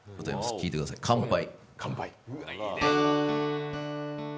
聴いてください、「乾杯」。